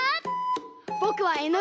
ぼくはえのぐ！